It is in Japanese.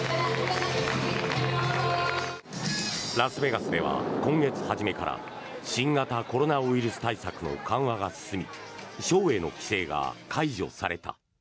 ラスベガスでは今月初めから新型コロナウイルス対策の緩和が進みショーへの規制が解除された。